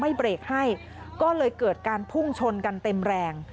เบรกให้ก็เลยเกิดการพุ่งชนกันเต็มแรง